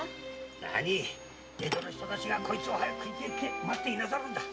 江戸の人たちがこいつを早く食いてぇと待っていなさる。